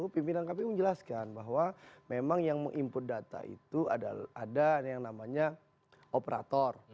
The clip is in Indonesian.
pimpinan kpu menjelaskan bahwa memang yang meng input data itu ada yang namanya operator